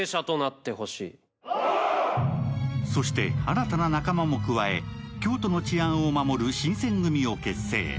そして、新たな仲間も加え、京都の治安を守る新選組を結成。